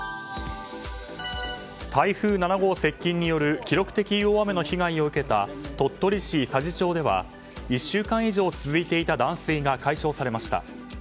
台風７号接近による記録的大雨の被害を受けた鳥取県佐治町では１週間以上続いていた断水が解消されました。